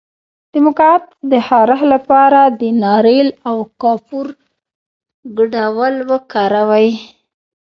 د مقعد د خارښ لپاره د ناریل او کافور ګډول وکاروئ